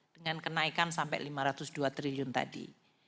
dengan kenaikan sampai lima ratus dua triliun tadi